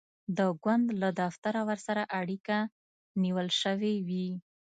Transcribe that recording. د ګوند له دفتره ورسره اړیکه نیول شوې وي.